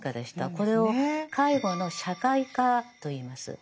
これを「介護の社会化」といいます。